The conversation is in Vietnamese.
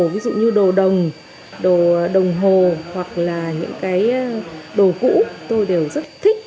ví dụ như đồ đồng đồ đồng hồ hoặc là những cái đồ cũ tôi đều rất thích